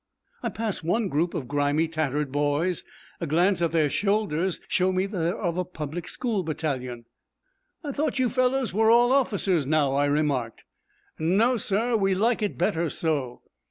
I pass one group of grimy, tattered boys. A glance at their shoulders shows me that they are of a public school battalion. 'I thought you fellows were all officers now,' I remarked. 'No, sir, we like it better so.'